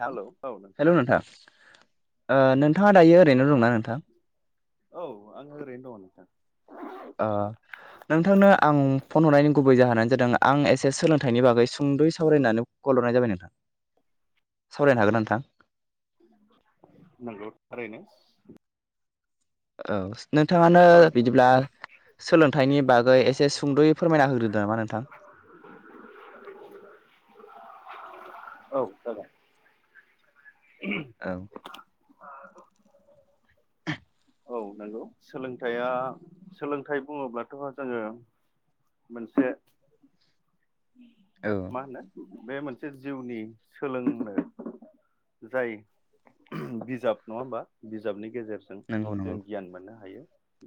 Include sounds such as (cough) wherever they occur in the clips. नोंथां हेलौ औ हेल' नोंथां ओ नोंथाङा दायो ओरैनो दंना नोंथां? औ आं ओरैनो दङ नोंथां। अ नोंथांनो आं फन हरनायनि गुबै जाहोनानो जादों आं एसे सोलोंथाइनि बागै सुंद'यै सावरायनानै खल हरनाय जाबाय नोंथां सावरायनो हागोना नोंथां? नंगौ थारैनो औ नोंथाङानो सावराय बिदिब्ला सोलोंथाइनि बागै एसे सुंद'यै फोरमायना होग्रोदो नामा नोंथां? औ जाबाय औ औ औ नंगौ सोलोंथाइया सोलोंथाइ बुङोब्लाथ' जोङो मोनसे औ मा होनो बे मोनसे जिउनि सोलोंनो जाय बिजाब नङा होमबा? बिजाबनि गेजेरजों नंगौ नंगौ जों गियान मोननो हायो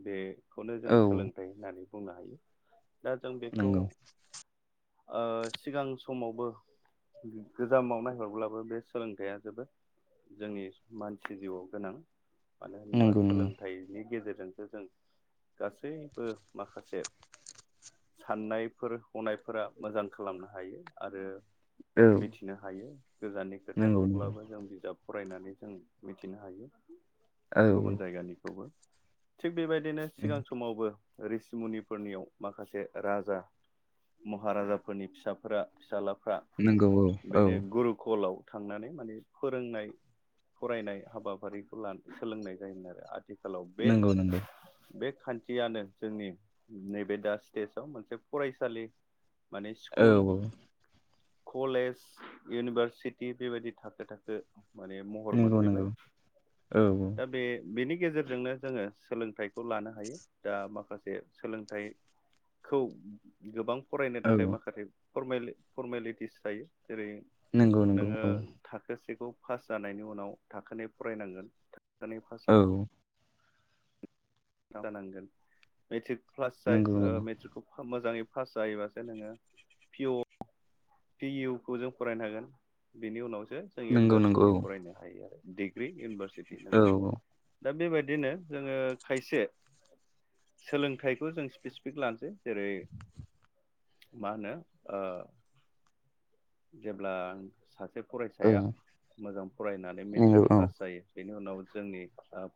बेखौनो जों औ सोलोंथाइ होननानै बुंनो हायो। दा जों बेखौ नंगौ ओ सिगां समावबो गोजामाव नायहरब्लाबो बे सोलोंथाइया जोबोद जोंनि मानसि जिउआव गोनां मानो होनबा नंगौ सोलोंथाइनि गेजेर जोंसो गासैबो माखासे साननायफोर हनायफोरा मोजां खालामनो हायो आरो मिथिनो हायो गोजाननि नंगौ खोथाखौब्लाबो जों बिजाब फरायनानै जों मिथिनो हायो। औ औ। गुबुन जायगानिखौबो थिग बेबायदिनो सिगां समावबो रिसिमुनिफोरनियाव माखासे राजा- महाराजाफोरनि फिसाफोरा फिसालाफ्रा नंगौ नंगौ औ नंगौ औ बेनि गुरुकलाव थांनानै माने फोरोंनाय फरायनाय हाबाफारिखौ सोलोंनाय जायोमोन आरो। आथिखालाव बे बे खान्थियानो जोंनि नैबे दा स्टेजाव मोनसे फरायसालि माने स्कुल औ कलेज, इउनिभारसिटि बेबायदि थाखो थाखो माने महर नंगौ मोनफैबाय नंगौ, औ औ। दा बे बेनि गेजेरजोंनो जोङो सोलोंथाइखौ लानो हायो दा माखासे सोलोंथाइ- खौ गोबां फरायनो औ नंगौ औ थाखाय माखासे फरमेले-फरमेलिटिस थायो। जेरै नंगौ नंगौ नोङो औ थाखो सेखौ फास जानायनि उनाव थाखो नै फरायनांगोन, दानै फास औ जानांगोन मेट्रिक प्लास जाय नंगौ ओ औ मेट्रिकखौ मोजाङै फास जायोबासो नोङो पिअ पि इउ खौ जों फरायनो हागोन बेनि उनावसो जों नंगौ नंगौ इउनिभारसिटि फरायनो हायो आरो। डिग्रि इउनिभारसिटि औ नंगौ, दा बेबायदिनो जोङो खायसे सोलोंथाइखौ जों स्पेसिफिक लानोसै जेरै- मा होनो ओ जेब्ला सासे औ फरायसाया मोजां फरायनानै नंगौ मेट्रिक औ फास जायो बेनि उनाव जोंनि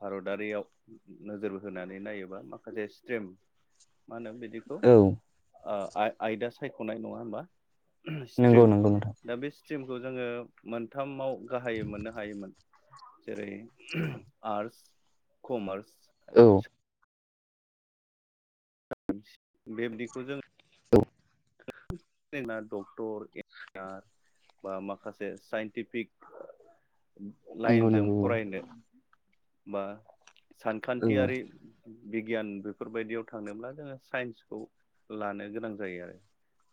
भारतारियाव नोजोर होनानै नायोबा माखासे स्ट्रिम माहोनो बेखौ औ आयदा सायख'नाय नङा होमबा नंगौ स्ट्रिम, नंगौ नोंथां दा बे स्टिमखौ जोङो मोनथामाव गाहायै मोननो हायोमोन जेरै- आर्टस, कमार्स औ बेबदिखौ जों औ जोंना डक्टर, इन्जिनियार बा माखासे साइन्टिफिक नंगौ लाइनजों नंगौ फरायनो बा औ सानखान्थियारि बिगियान बेफोरबायदियाव थांनोब्ला जोङो साइन्सखौ लानो गोनां जायो आरो।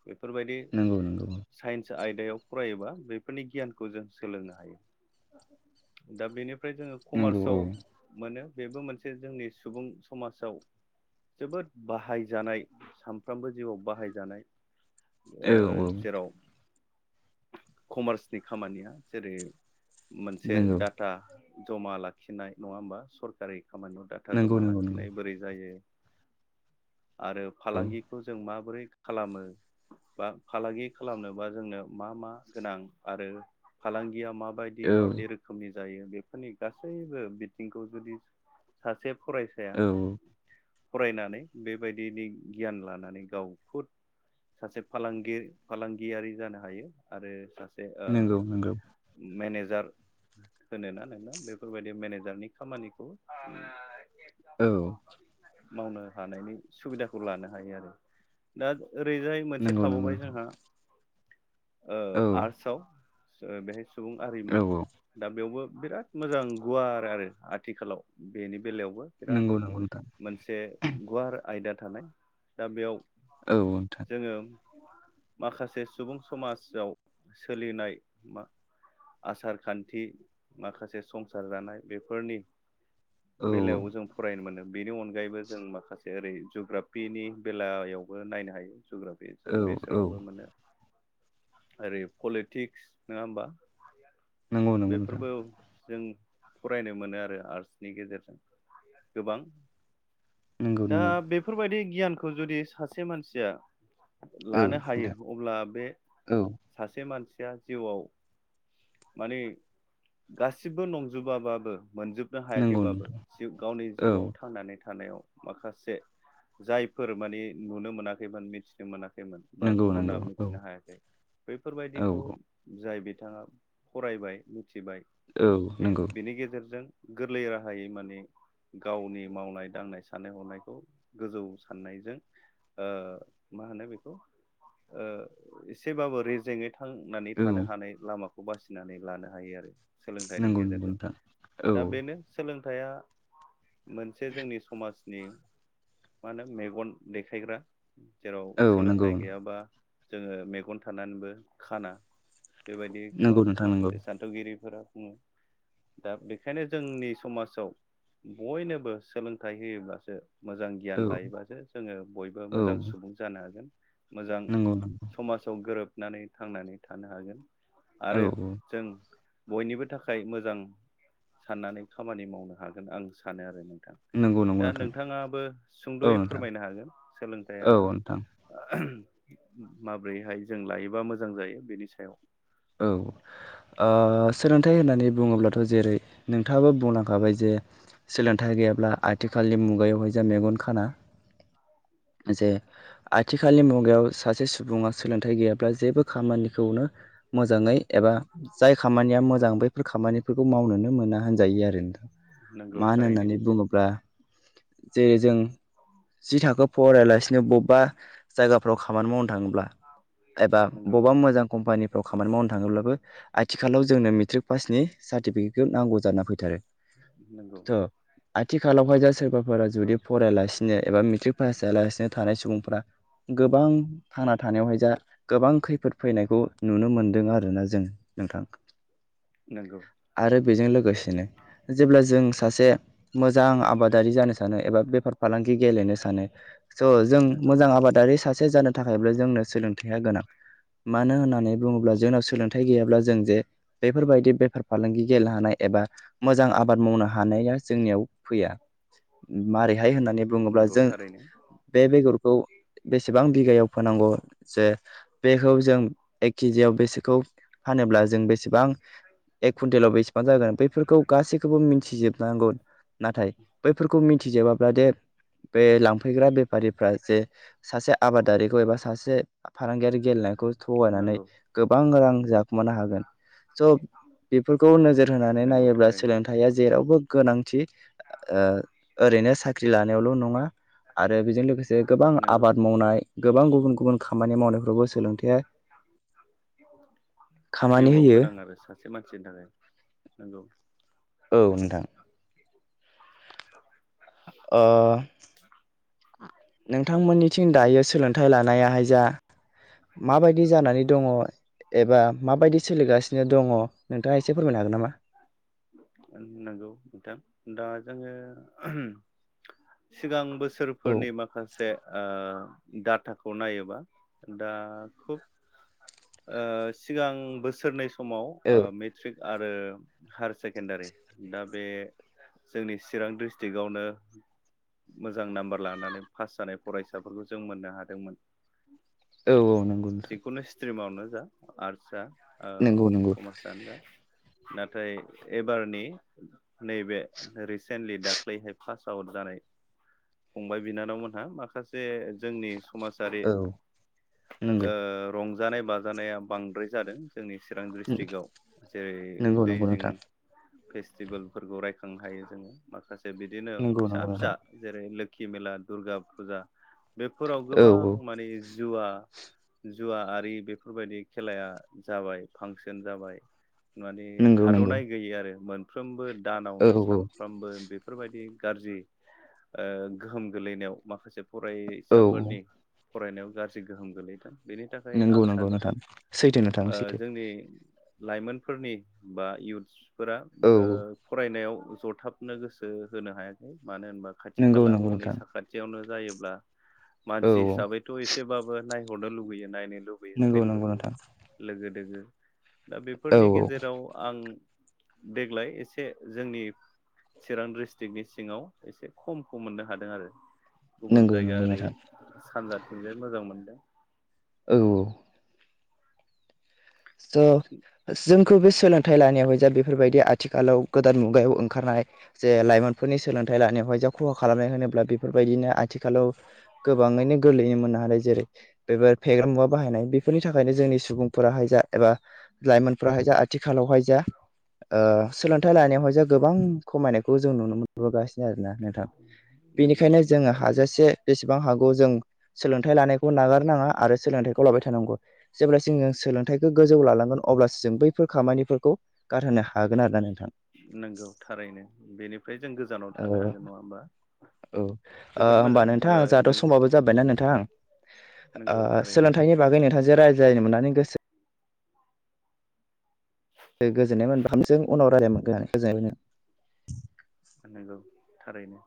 बेफोरबायदि नंगौ नंगौ साइन्स आय दायाव फरायोबा बेफोरनि गियानखौ जों सोलोंनो हायो। दा बेनि फ्राय जोङो नंगौ कमार्सआव औ मोनो बेबो मोनसे जोंनि सुबुं समाजाव जोबोद बाहायजानाय सानफ्रामबो जिउआव बाहायजानाय ओ औ औ जेराव कमार्सनि खामानिया जेरै मोनसे नंगौ डाटा जमा लाखिनाय नङा होमबा सरकारि खामानियाव डाटा जमा नंगौ नंगौ लाखिनाय बोरै जायो आरो औ फालांगिखौ जों माबोरै खालामो बा फालांगि खालामनोबा जोंनो मा मा गोनां आरो फालांगिया मा बायदि औ माबायदि रोखोमनि जायो बेफोरनि गासैबो बिथिंखौ जुदि सासे फरायसाया औ फरायनानै बेबायदिनि गियान लानानै गावखौ सासे फालांगिर फालांगियारि जानो हायो आरो सासे ओ नंगौ नंगौ मेनेज जार होनोना नोंना बेफोरबायदि मेनेजारनि खामानिखौ औ मावनो हानायनि सुबिदाखौ लानो हायो आरो दा ओ ओरैजाय मोनसे नंगौ थाबावबाय नंगौ जोंहा ओ औ आर्टसआव ओ बेहाय सुबुं औ आरिमु दा बेयावबो बिराद मोजां गुवार आरो आथिखालाव बेनि बेलायावबो बिराद नंगौ नंगौ नोंथां मोनसे गुवार आयदा थानाय दा बेयाव औ नोंथां जोङो माखासे सुबुं समाजाव सोलिनाय मा आसार खान्थि माखासे संसार जानाय बेफोरनि औ बेलायावबो जों फरायनो मोनो बेनि अनगायैबो जों माखासे ओरै जुग्रापिनि बेलायावबो नायनो हायो। जुग्राफि जों औ औ बेसोरावबो मोनो ओरै पलिटिक्स नङा होमबा नंगौ नंगौ नोंथां बेेफोरबो जों फरायनो मोनो आरो आर्टसनि गेजेरजों गोबां नंगौ दा नंगौ बेफोरबायदि गियानखौ जुदि सासे मानसिया औ लानो हायो नोंथां अब्ला बे औ सासे मानसि जिउआव माने गासिबो नंजोबाबाबो मोनजोबनो नंगौ हायाखैबाबो नोंथां जिउ गावनि औ जिउआव थांनानै थानायाव माखासे जायफोर मानि नुनो मोनाखैमोन मिथिनो मोनाखै बा नंगौ गुबुना नंगौ औ मिथिनो हायाखै औ बैफोरबायदिखौ जायबि बिथाङा फरायबाय मिथिबाय औ नंगौ बिनि गेजेरजों गोरलै राहायै माने गावनि मावनाय दांनाय साननाय हनायखौ गोजौ साननायजों ओ मा होनो बेखौ ओ एसेबाबो रेजेङै थांनानै थानो औ हानाय लामाखौ बासिनानै लानो हायो आरो सोलोंथाइनि नंगौ नंगौ गेजेरजों नोंथां औ दा बेनो सोलोंथाइया मोनसे जोंनि समाजनि मा होनो मेगन देखायग्रा जेराव औ नंगौ सोलोंथाइ गैयाबा जोङो मेगन थानानैबो खाना बेबायदि गोबां नंगौ नोंथां नंगौ माखासे सान्थौगिरिफोरा बुङो। दा बेखायनो जोंनि समाजाव बयनोबो सोलोंथाइ होयोब्लासो मोजां गियान औ लायोबासो जोङो बयबो औ मोजां सुबुं जानो हागोन। मोजां नंगौ समाजाव गोरोबनानै थांनानै थानो हागोन औ आरो जों बयनिबो थाखाय मोजां साननानै खामानि मावनो हागोन आं सानो आरो नों थां नंगौ नंगौ दा नोंथां नोंथाङाबो औ सुंद'यै नोंथां फोरमायनो हागोन सोलोंथाइया औ नोंथां माब्रैहाय जों लायोबा मोजां जायो बेनि सायाव औ ओ सोलोंथाइ होननानै बुङोब्लाथ' जेरै नोंथाङाबो बुंलांखाबाय जे सोलोंथाइ गैयाब्ला आथिखालनि मुगायावहाय जों मेगन खाना। जे आथिखालनि मुगायाव सासे सुबुङा सोलोंथाइ गैयाब्ला जेबो खामानिखौनो मोजाङै एबा जाय खामानिया मोजां बैफोर खामानिफोरखौ मावनोनो मोना होनजायो आरो नोंथां। नोंगौ मानो थारैनो होननानै बुङोब्ला जे जों जि थाखो फरायालासिनो बबेबा जायगाफ्राव खामानि मावनो थाङोब्ला एबा नोंगौ बबेबा मोजां कम्पानि फोराव खामानि मावनो थाङोब्लाबो आथिखालाव जोंनो मेट्रिक पासनि सार्टिफिकेटखौ नांगौ जाना फैथारो नोंगौ थ' आथिखालावहाय जा सोरबाफोरा जुदि फरायालासिनो एबा मेट्रिक पास जायालासिनो थानाय सुबुंफोरा गोबां थांना थानायावहाय जा गोबां खैफोद फैनायखौ नुनो मोनदों आरोना जों नोंथां। नोंगौ आरो बेजों लोगोसेनो जेब्ला जों सासे मोजां आबादारि जानो सानो एबा बेफार फालांगि गेलेनो सानो स' जों नोंगौ मोजां आबादारि सासे जानो थाखायबो जोंनो सोलोंथाइया गोनां मानो होनना नै बुङोब्ला जोंनाव सोलोंथाइ गैयाब्ला जों जे बेफोरबायदि बेफार फालांगि गेलेनो हानाय एबा मोजां आबाद मावनो हानाया जोंनियाव फैया मारै हाय होननानै बुङोब्ला नोंगौ जों थारैनो बे बेगरखौ बे सेबां बिघायाव फोनांगौ जे बेखौ जों एक केजियाव बेसोरखौ फानोब्ला जों बेसेबां एक कुन्टेलाव बेसेबां जागोन बेफोरखौ गासैखौबो मिन्थिजोबनांगौ नाथाय बैफोरखौ मिथिजोबाब्ला दे बे लांफैग्रा बे फारिफ्रा जे सासे आबादारिखौ एबा सासे फालांगियारि गेलेनायखौ थगायनानै नोंगौ गोबां रां जाखुमानो हागोन स' बेफोरखौ नोजोर होनानै नोंगौ नायोब्ला थारैनो सोलोंथाइया जेरावबो गोनांथि ओरैनो साख्रि लानायावल' नङा आरो बेजों लोगोसे गोबां नोंगौ आबाद मावनाय गोबां गुबुन गुबुन खामानि मावनायफ्रावबो सोलोंथाइया खामानि जिउआव होयो गोनां आरो सासे मानसिनि थाखाय नंगौ औ नोंथां ओ नोंथांमोननिथिं दायो सोलोंथाइ लानायाहाय जा माबायदि जानानै दङ एबा माबायदि सोलिगासिनो दङ नोंथाङा एसे फोरमायनो हागोन नामा? नंगौ नोंथां दा जोङो सिगां औ बोसोरफोरनि माखासे ओ डाटाखौ नायोबा दा खुब ओ सिगां बोसोरनै समाव औ ओ मेट्रिक आरो हायार सेकेण्डारि दा बे जोंनि चिरां डिस्ट्रिकआवनो मोजां नाम्बार लानानै पास जानाय फरायसाफोरखौ जों मोननो हादोंमोन। औ औ नंगौ नोंथां जिखुनु स्ट्रिमावनो जा आर्टस जा नंगौ नंगौ कमार्सआनो जा नाथाय एबारनि नैबे रिसेन्टलि दाख्लैहाय पास आउट जानाय (inaudible) फंबाय बिनानावमोनहा माखासे जोंनि समाजारि औ ओ नंगौ रंजानाय बाजानाया बांद्राय जादों। जोंनि चिरां डिस्ट्रिकआव जेरै नंगौ नंगौ दैजिं नोंथां फेस्टिभेलफोरखौ रायखांनो हायो जोङो माखासे बिदिनो नंगौ फिसा नंगौ फिसा नोंथां जेरै लो खि मेला दुर्गा फुजा बेफोराव औ गोबां औ माने जुवा जुवा आरि बेफोरबायदि खेलाया जाबाय फांसन जाबाय। माने नंगौ नंगौ थाद'नाय गैयै आरो मोनफ्रोमबो औ दानावनो औ सानफ्रोमबो बे बफोरबायदि गाज्रि ओ गोहोम गोलैनायाव माखासे औ फरायसाफोरनि फरायनायाव गाज्रि गोहोम गोलैदों। बेनि थाखाय नंगौ आं नंगौ सानो नोंथां सैथो नोंथां सैथो जोंनि लाइमोनफोरनि बा इउथ्सफोरा औ फरायनायाव जथाबनो गोसो होनो हायाखै मानो होनबा खाथि नंगौ खाला नंगौ न'नि नोंथां साखाथियावनो जायोब्ला औ मानसि औ हिसाबैथ' एसेबाबो नायहरनो लुुबैयो नायनो लुबैयो नंगौ फैनो नंगौ नोंथां लुबैयो लोगो दोगो दा औ बेफोरनि औ गेजेराव आं देग्लाय एसे जोंनि चिरां डिस्ट्रिकनि सिङाव एसे खमखौ मोननो हादों आरो। गुबुन नंगौ जायगा नंगौ ओरै नोंथां सानजाथिंजाय मोजां मोनदों। औ। जा सों खौ बे सोलोंथाइ लानायावाय ज बेफोरबायदि आथिखालाव गोदान मुगायाव ओंखारनाय जे लाइमोनफोरनि सोलोंथ न्थाइ लानायावहाय जा खहा खालामनाय होनोब्ला बेफोरबायदिनो आथिखालाव गोबाङैनो गोरलैनो मोना। जेरै बेबो फेग्रा मुवा बाहायनाय बेफोरनि थाखायनो जोंनि सुबुंफोराहाय जा एबा लाइमोनफोराहाय जा आथिखालावहाय जा सोलोंथाइ लानायावहाय जा गोबां खमायनायखौ जों नुनो मोनबोगासि आरोना नोंथां नंगौ बेनिखायनो जोङो थारैनो हाजासे जेसेबां हागौ जों सोलोंथाइ लानायखौ नागारनाङा आरो सोलोंथाइखौ लाबाय थानांगौ जेब्लासिम जों सोलोंथाइ गोजौ लालांगोन अब्लासो जों बैफोर खामानिफोरखौ गारहोनो हागोन आरोना नोंथ नंगौ थारैनो बेनिफ्राय जों गोजानाव औ थानो हागोन नङा होमबा? औ जोबोद होमबा मोजां नोंथां ओ जाथ' नों समबाबो जाबायना नोंथां। नंगौ थारैनो सोलोंथाइनि बागै नोंथांजों रायज्लायनो मोननानै गोसो गो गोजोननाय मोनबा हामजों उनाव रायलाय गोजोननाय मोनो। नंगौ थारैनो।